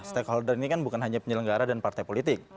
stakeholder ini kan bukan hanya penyelenggara dan partai politik